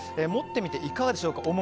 持ってみていかがでしょうか？